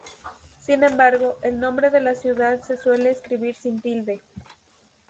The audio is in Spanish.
Sin embargo, el nombre de la ciudad se suele escribir sin tilde.